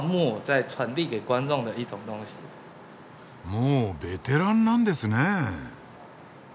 もうベテランなんですね？